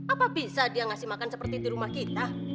apa bisa dia ngasih makan seperti di rumah kita